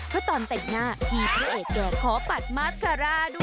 เพราะตอนเตะหน้าพี่พระเอกก็ขอปัดมัสกราดด้วย